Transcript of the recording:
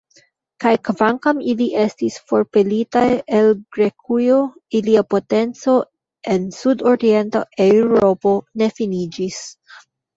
Kaj kvankam ili estis forpelitaj el Grekujo, ilia potenco en sudorienta Eŭropo ne finiĝis.